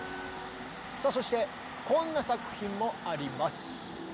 さあそしてこんな作品もあります。